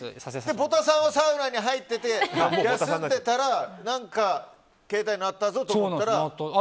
ボタさんはサウナに入っていて休んでいたら何か携帯が鳴ったと思ったら。